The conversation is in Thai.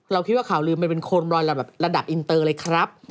คิดว่าข่าวลืมมันเป็นโคมรอยระดับอินเตอร์เลยครับ